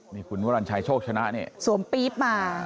นี่คุณวรรณชัยโชคชนะเนี่ยสวมปี๊บมา